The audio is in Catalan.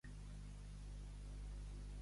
Qui busca el perill, en ell pereix.